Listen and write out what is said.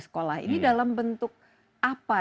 sekolah ini dalam bentuk apa